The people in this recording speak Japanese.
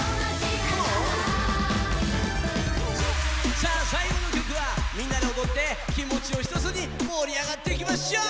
さあさい後の曲はみんなでおどって気もちをひとつに盛り上がっていきましょう！